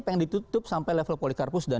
yang ditutup sampai level polikarpus dan